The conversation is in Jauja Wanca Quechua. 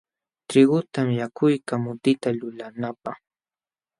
Trigutam yakuykaa mutita lulanaapaq.